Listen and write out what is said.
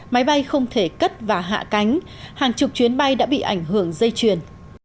máy bay không thể cất và hạ cánh hàng chục chuyến bay đã bị ảnh hưởng dây chuyền